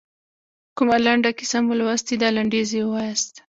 کومه لنډه کیسه مو لوستلې ده لنډیز یې ووایاست.